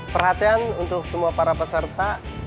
perhatian untuk semua para peserta